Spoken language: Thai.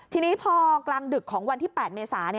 ทีนี้พอกลางดึกของวันที่๘เมษา